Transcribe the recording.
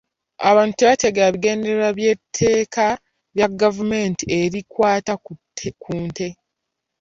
Abantu tebategeera bigendererwa by'etteeka lya gavumenti erikwata ku nte,